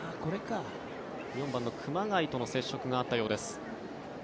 ４番の熊谷との接触があったようです。